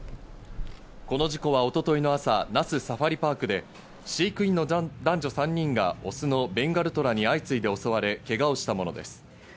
この事故は一昨日の朝、那須サファリパークで飼育員の男女３人がオスのベンガルトラに相次いで襲われけがをしたものです。